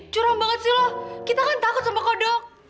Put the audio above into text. curang banget sih lo kita kan takut sama kodok